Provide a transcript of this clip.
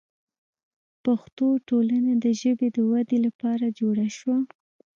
پښتو ټولنه د ژبې د ودې لپاره جوړه شوه.